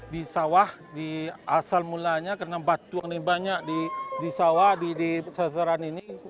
di sawah di asal mulanya karena batuan ini banyak di sawah di sasaran ini